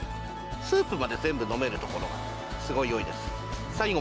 スープまで全部飲めるところがすごいよいです。